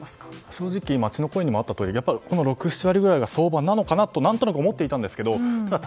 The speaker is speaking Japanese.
正直、街の声にもあったとおり６７割くらいは相場なのかなと何となく思っていたんですがただ、